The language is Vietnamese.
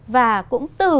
và cũng từ